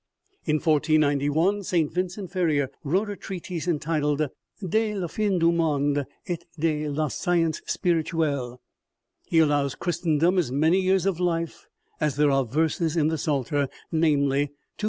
In 1491 St. Vincent Ferrier wrote a treatise entitled, " De la Fin du Monde et de la Science Spirituelle." He allows Christendom as many years of life as there are verses in the psalter, namely, 2537.